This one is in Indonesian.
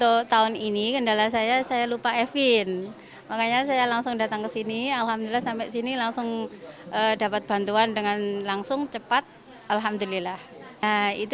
kita itu penghasilan sedikit